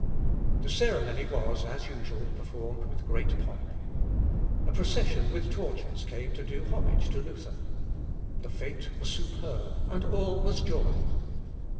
The ceremony was, as usual, performed with great pomp. A procession with torches came to do homage to Luther. The fête was superb, and all was joy.